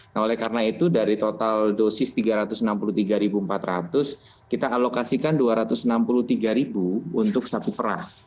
nah oleh karena itu dari total dosis rp tiga ratus enam puluh tiga empat ratus kita alokasikan rp dua ratus enam puluh tiga untuk satu perah